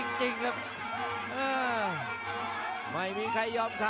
หัวจิตหัวใจแก่เกินร้อยครับ